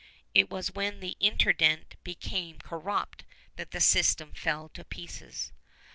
It was when the Intendant became corrupt that the system fell to pieces.